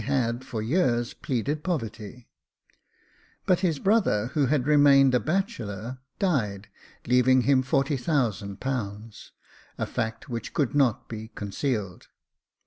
had, for years, pleaded poverty ; but his brother, who had remained a bachelor, died, leaving him forty thousand pounds, — a fact which could not be concealed.